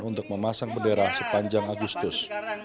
untuk memasang bendera sepanjang agustus